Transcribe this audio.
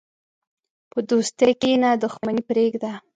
په دوستۍ کښېنه، دښمني پرېږده.